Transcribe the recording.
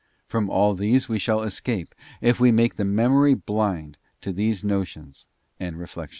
From all these we shall escape, _ if we make the memory blind to these notions and re _ flections, ;* Rom, viii.